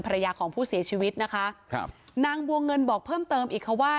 ภรรยาของผู้เสียชีวิตนะคะครับนางบัวเงินบอกเพิ่มเติมอีกค่ะว่า